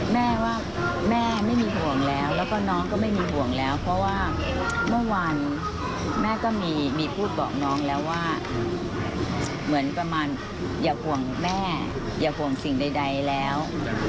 แม่ว่าแม่ไม่มีห่วงแล้วแล้วก็น้องก็ไม่มีห่วงแล้วเพราะว่าเมื่อวานแม่ก็มีพูดบอกน้องแล้วว่าเหมือนประมาณอย่าห่วงแม่อย่าห่วงสิ่งใดแล้ว